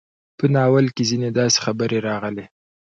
په ناول کې ځينې داسې خبرې راغلې